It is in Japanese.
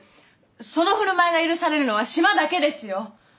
その振る舞いが許されるのは島だけですよ。